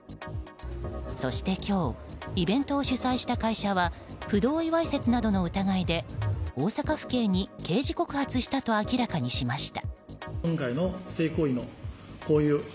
そして、今日イベントを主催した会社は不同意わいせつなどの疑いで大阪府警に刑事告発したと明らかにしました。